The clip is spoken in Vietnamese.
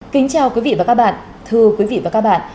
kính chào quý vị và các bạn thưa quý vị và các bạn